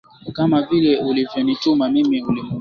Kama vile ulivyonituma mimi ulimwenguni